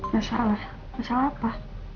masalah masalah apa